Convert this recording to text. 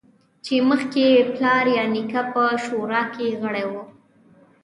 چې مخکې یې پلار یا نیکه په شورا کې غړی و